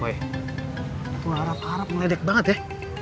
woy gue harap harap meledek banget ya